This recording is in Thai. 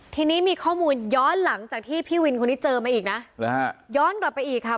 ทีนี้มีข้อมูลย้อนหลังจากที่พี่วินคนนี้เจอมาอีกนะหรือฮะย้อนกลับไปอีกค่ะ